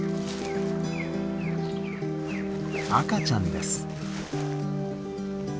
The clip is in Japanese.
赤ちゃんです。